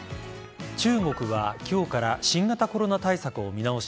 中国は今日から新型コロナ対策を見直し